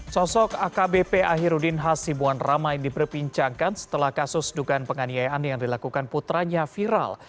sosok akbp ahirudin hasibuan ramai diperbincangkan setelah kasus dugaan penganiayaan yang dilakukan putranya viral